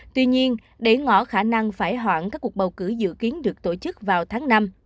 tuy nhiên để ngỏ khả năng phải hoãn các cuộc bầu cử dự kiến được tổ chức vào tháng năm